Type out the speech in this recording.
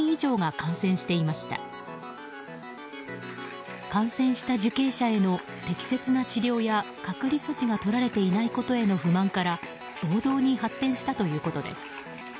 感染した受刑者への適切な治療や隔離措置がとられていないことへの不満から暴動に発展したということです。